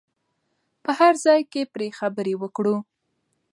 په هر ځای کې پرې خبرې وکړو.